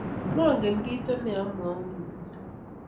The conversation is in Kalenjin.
Mangen kito ne amwoun nguni